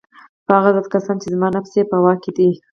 په هغه ذات قسم چي زما نفس ئې په واك كي دی